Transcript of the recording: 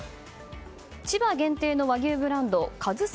千葉限定の和牛ブランドかずさ